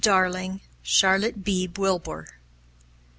Darling, Charlotte Beebe Wilbour.